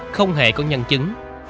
vậy có nhân chứng